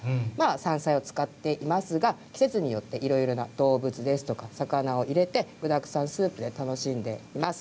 山菜を使っていますが季節によっていろいろな動物や魚を入れて具だくさんスープで楽しんでいます。